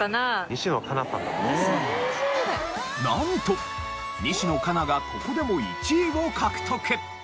なんと西野カナがここでも１位を獲得。